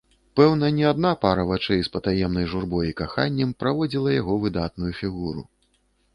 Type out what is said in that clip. Пэўна, не адна пара вачэй з патаемнай журбой і каханнем праводзіла яго выдатную фігуру!